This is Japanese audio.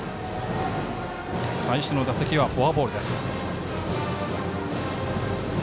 最初の打席はフォアボールです。